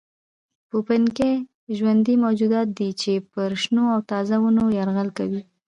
پوپنکي ژوندي موجودات دي چې پر شنو او تازه ونو یرغل کوي.